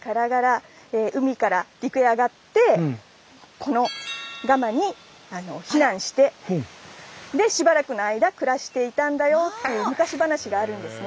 このガマに避難してしばらくの間暮らしていたんだよっていう昔話があるんですね。